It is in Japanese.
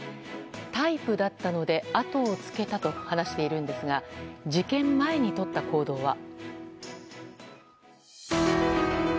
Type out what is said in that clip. タイプだったのであとをつけたと話しているんですが事件前にとった行動は。